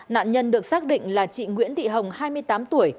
nạn nhân được xác định là chị nguyễn thị hồng hai mươi tám tuổi